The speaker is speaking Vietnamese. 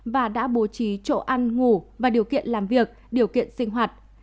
và đã bố trí chỗ ăn ngủ và điều kiện làm việc điều kiện sinh hoạt